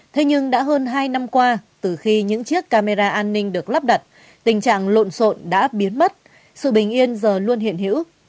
thế nhưng đã hơn hai năm qua từ khi những chiếc camera an ninh được lắp đặt tình trạng lộn xộn đã biến mất sự bình yên giờ luôn hiện hữu